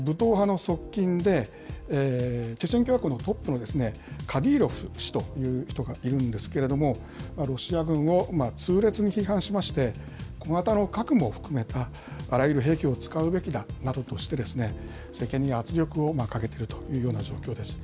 武闘派の側近で、チェチェン共和国のトップのカディロフ氏という人がいるんですけれども、ロシア軍を痛烈に批判しまして、小型の核も含めたあらゆる兵器を使うべきだなどとして、政権に圧力をかけてるというような状況です。